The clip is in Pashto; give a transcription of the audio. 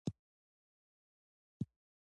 افغانستان د سیندونه د ترویج لپاره پروګرامونه لري.